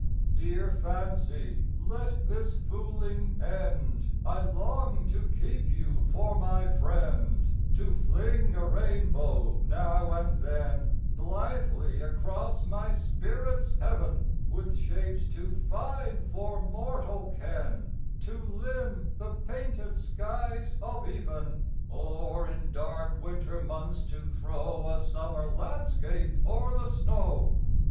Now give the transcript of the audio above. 55 Dear Fancy, let this fooling end ! I long to keep you for my friend, To fling a rainbow, now and then, Blithely across my spirit's heaven ; With shapes too fine for mortal ken To limn the painted skies of even ; Or in dark winter months to throw A summer landscape o'er the snow.